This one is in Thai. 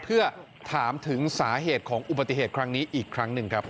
เพื่อถามถึงสาเหตุของอุบัติเหตุครั้งนี้อีกครั้งหนึ่งครับ